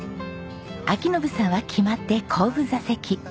章伸さんは決まって後部座席。